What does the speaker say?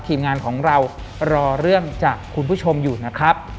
ทีมงานของเรารอเรื่องจากคุณผู้ชมอยู่นะครับ